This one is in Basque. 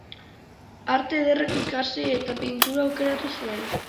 Arte ederrak ikasi eta pintura aukeratu zuen.